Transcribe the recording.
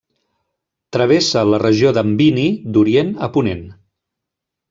Travessa la regió de Mbini d'orient a ponent.